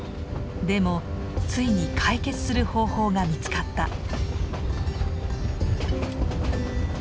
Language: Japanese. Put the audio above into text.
でもついに解決する方法が見つかった。